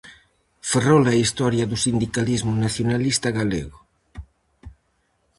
Ferrol e Historia do sindicalismo nacionalista galego.